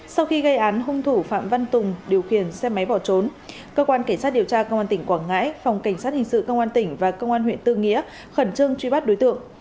sau khi gây án hung thủ phạm văn tùng điều khiển xe máy bỏ trốn cơ quan cảnh sát điều tra công an tỉnh quảng ngãi phòng cảnh sát hình sự công an tỉnh và công an huyện tư nghĩa khẩn trương truy bắt đối tượng